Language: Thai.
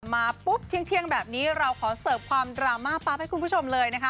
มาปุ๊บเที่ยงแบบนี้เราขอเสิร์ฟความดราม่าปั๊บให้คุณผู้ชมเลยนะคะ